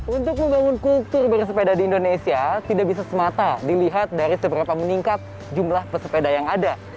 untuk membangun kultur bersepeda di indonesia tidak bisa semata dilihat dari seberapa meningkat jumlah pesepeda yang ada